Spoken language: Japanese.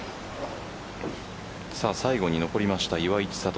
最後に残りました、岩井千怜。